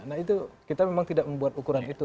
nah itu kita memang tidak membuat ukuran itu